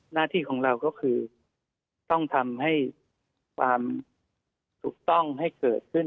หน้าที่ของเราก็คือต้องทำให้ความถูกต้องให้เกิดขึ้น